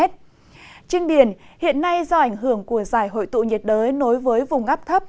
trên biển hiện nay do ảnh hưởng của dài hội tụ nhiệt đới nối với vùng ngắp thấp